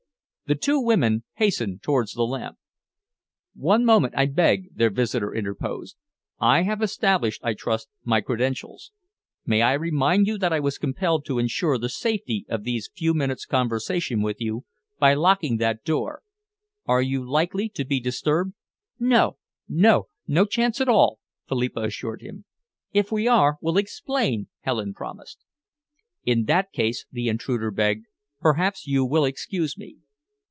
The two women hastened towards the lamp. "One moment, I beg," their visitor interposed. "I have established, I trust, my credentials. May I remind you that I was compelled to ensure the safety of these few minutes' conversation with you, by locking that door. Are you likely to be disturbed?" "No, no! No chance at all," Philippa assured him. "If we are, we'll explain," Helen promised. "In that case," the intruder begged, "perhaps you will excuse me."